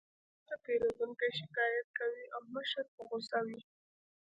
ناراضه پیرودونکي شکایت کوي او مشر په غوسه وي